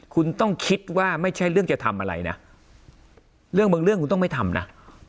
คุณต้องคิดว่าไม่ใช่เรื่องจะทำอะไรนะเรื่องบางเรื่องคุณต้องไม่ทำนะ